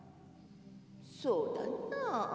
そうだな。